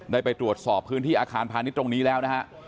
ได้ไปตรวจสอบพื้นที่อาคารพาณิชย์ตรงนี้แล้วนะฮะ